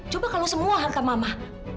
coba kalau semua harga mama